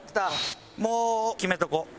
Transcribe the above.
もう決めとこ。